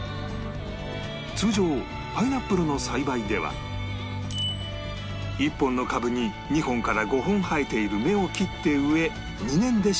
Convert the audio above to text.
通常パイナップルの栽培では１本の株に２本から５本生えている芽を切って植え２年で収穫